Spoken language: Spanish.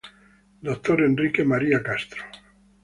Dr. Enrique María Castro.